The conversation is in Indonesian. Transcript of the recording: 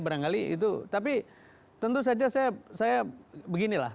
barangkali itu tapi tentu saja saya beginilah